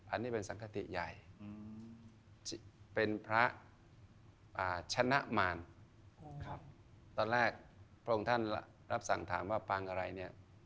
อันนี้เป็นสังคติใหญ่เป็นพระชนะมารตอนแรกพระองค์ท่านรับสั่งถามว่าปางอะไรเนี่ย